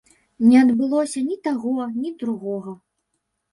Не адбылося ні таго, ні другога.